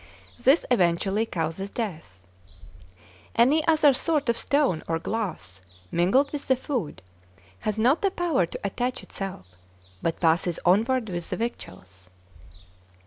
This eventually causes death. Any other sort of stone or glass mingled with the food has not the power to attach itself, but passes onward with the victuals.